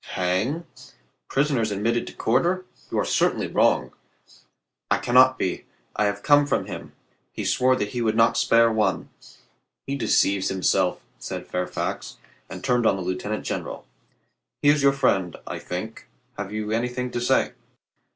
"Hang? Prisoners admitted to quarter? You are certainly wrong." "I can not be. I have come from him. He sv/ore that he would not spare one." "He deceives himself," said Fairfax and turned on the lieutenant general. "He is your friend, I think. Have you anything to say?"